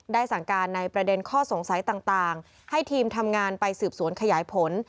สั่งการในประเด็นข้อสงสัยต่างให้ทีมทำงานไปสืบสวนขยายผล